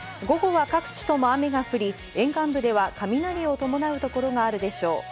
午後は各地とも雨が降り、沿岸部では雷を伴う所があるでしょう。